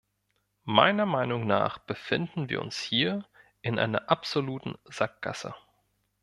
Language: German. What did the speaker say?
Meiner Meinung nach befinden wir uns hier in einer absoluten Sackgasse.